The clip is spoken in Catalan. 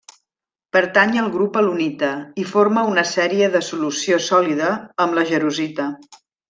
Pertany al grup alunita, i forma una sèrie de solució sòlida amb la jarosita.